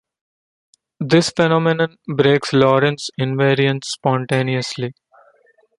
This phenomenon breaks Lorentz invariance spontaneously.